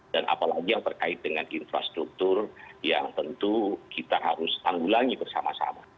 dan apalagi yang terkait dengan infrastruktur yang tentu kita harus tanggulangi bersama sama